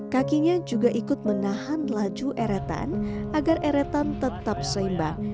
kakinya juga ikut menahan laju eretan agar eretan tetap seimbang